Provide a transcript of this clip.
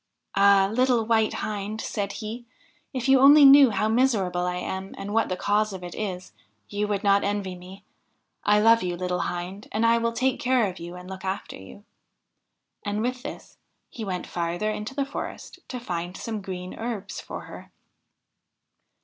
'Ah! little White Hind,' said he, 'if you only knew how miser able I am, and what the cause of it is, you would not envy me ! I love you, little Hind, and I will take care of you and look after you.' And with this he went farther into the forest to find some green herbs for her.